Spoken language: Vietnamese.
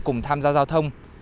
cùng tham gia giao thông